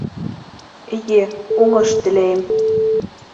Эйе, уңыш теләйем